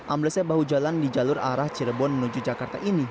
amblesnya bahu jalan di jalur arah cirebon menuju jakarta ini